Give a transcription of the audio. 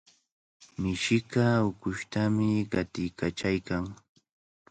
Mishiqa ukushtami qatiykachaykan.